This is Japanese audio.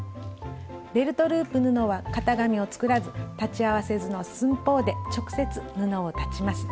ベルトループ布は型紙を作らず裁ち合わせ図の寸法で直接布を裁ちます。